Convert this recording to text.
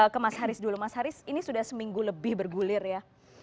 ke mas haris dulu mas haris ini sudah seminggu lebih bergulir ya